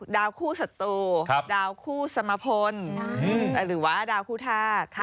ดาวคู่ศัตรูดาวคู่สมพลหรือว่าดาวคู่ทา